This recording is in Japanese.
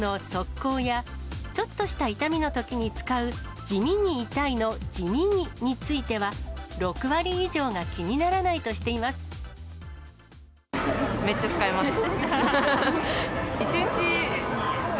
こうや、ちょっとした痛みのときに使うじみに痛いのじみにについては、６割以上が気にならないとしています。